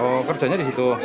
oh kerjanya di situ